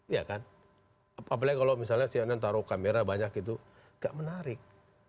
iya kan apalagi kalau misalnya si anand taruh kamera banyak gitu gak menarik